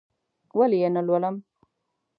ولې یې نه لولم؟!